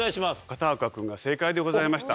片岡君が正解でございました。